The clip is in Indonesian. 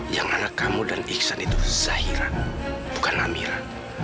yang anak kamu dan iksan itu zahira bukan amira